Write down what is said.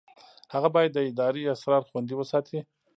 هغه باید د ادارې اسرار خوندي وساتي.